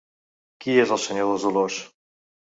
Qui és el Senyor dels Dolors?